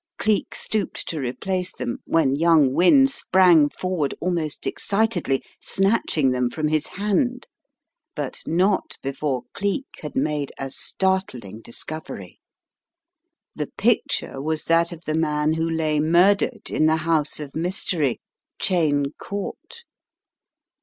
Cleek stooped to replace Tangled Threads 181 them, when young Wynne sprang forward almost excitedly, snatching them from his hand, but not before Cleek had made a startling discovery. The picture was that of the man who lay murdered in the house of mystery, Cheyne Court.